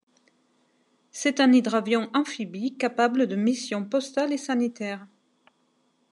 C’est un hydravion amphibie capable de missions postales et sanitaires.